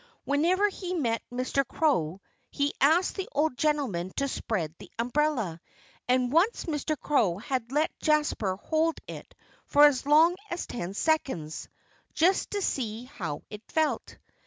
Whenever he met Mr. Crow he asked the old gentleman to spread the umbrella; and once Mr. Crow had let Jasper hold it for as long as ten seconds, "just to see how it felt."